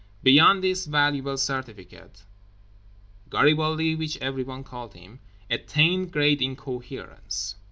Beyond this valuable certificate, Garibaldi (which everyone called him) attained great incoherence.